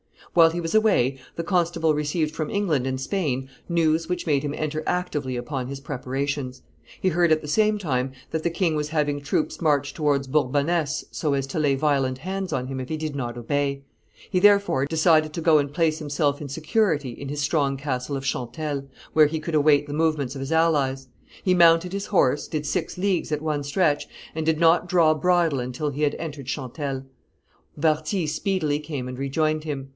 While he was away, the constable received from England and Spain news which made him enter actively upon his preparations; he heard at the same time that the king was having troops marched towards Bourbonness so as to lay violent hands on him if he did not obey; he, therefore, decided to go and place himself in security in his strong castle of Chantelle, where he could await the movements of his allies; he mounted his horse, did six leagues at one stretch, and did not draw bridle until he had entered Chantelle. Warthy speedily came and rejoined him.